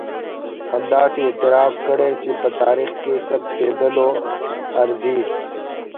هغه داسې اعتراف کړی چې په تاریخ کې ثبتېدلو ارزي.